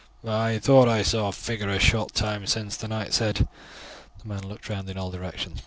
"I thought I saw a figure a short time since," the knight said. The man looked round in all directions.